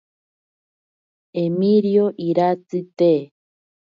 Emirio iratsi te.